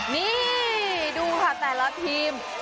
นี่ดูค่ะแต่ละทีม